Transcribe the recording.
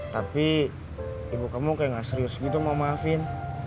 tapi ibu kamu kayak gak serius gitu mau maafin